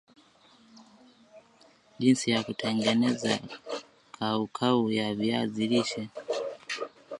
jinsi ya kutengeneza kaukau ya viazi lishe